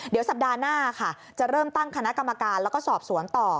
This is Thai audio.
เดี๋ยวสัปดาห์หน้าค่ะจะเริ่มตั้งคณะกรรมการแล้วก็สอบสวนต่อ